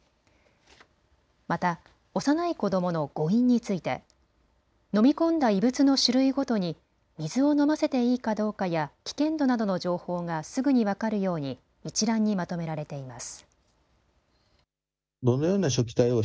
また幼い子どもの誤飲について飲み込んだ異物の種類ごとに水を飲ませていいかどうかや危険度などの情報がすぐに分かるように一覧にまとめられています。